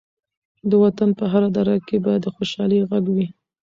د وطن په هره دره کې به د خوشحالۍ غږ وي.